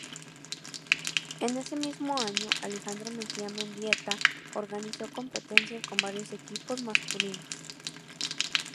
Ese mismo año, Alejandro Mejía Mendieta organizó competencias con varios equipos masculinos.